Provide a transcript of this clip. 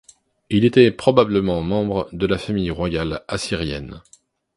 Il était probablement membre de la famille royale assyrienne.